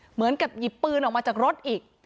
เหมือนกับหยิบปืนออกมาจากรถอีก